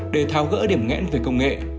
để thao gỡ điểm nghẽn về công nghệ